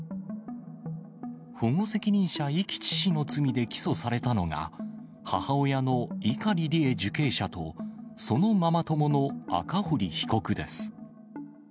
保護責任者遺棄致死の罪で起訴されたのが、母親の碇利恵受刑者と、そのママ友の赤堀被告です。